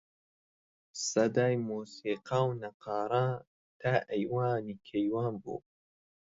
سەدای مۆزیقە و نەققارە تا ئەیوانی کەیوان بوو